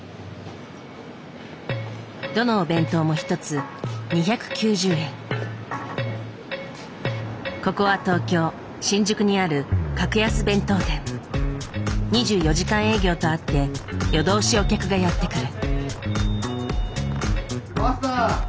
どのお弁当も一つここは東京・新宿にある２４時間営業とあって夜通しお客がやって来る。